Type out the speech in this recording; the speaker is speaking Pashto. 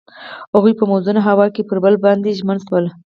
هغوی په موزون هوا کې پر بل باندې ژمن شول.